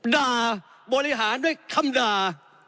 ด่าบริหารด้วยคำด่า